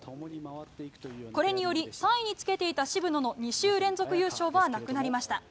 これにより３位につけていた渋野の２週連続優勝はなくなりました。